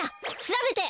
しらべて！